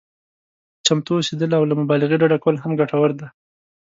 چمتو اوسېدل او له مبالغې ډډه کول هم ګټور دي.